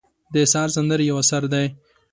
د سهار سندرې یو اثر دی.